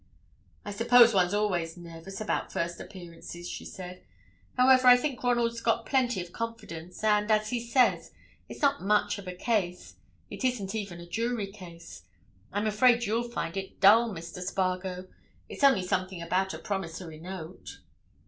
"I suppose one's always nervous about first appearances," she said. "However, I think Ronald's got plenty of confidence, and, as he says, it's not much of a case: it isn't even a jury case. I'm afraid you'll find it dull, Mr. Spargo—it's only something about a promissory note."